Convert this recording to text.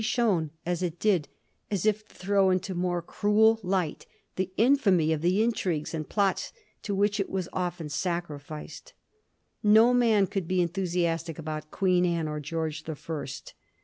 ix, shone as it did as if to throw into more cruel light the infamy of the intrigues and plots to which it was often sacrificed. No man could be enthusiastic about Queen Anne or George the First.